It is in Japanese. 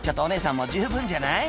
もう十分じゃない？